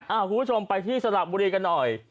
คุณผู้ชมไปที่สระบุรีกันหน่อย